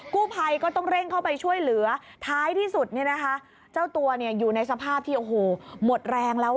กู้ภัยก็ต้องเร่งเขาไปช่วยเหลือท้ายที่สุดเจ้าตัวอยู่ในสภาพที่หมดแรงแล้ว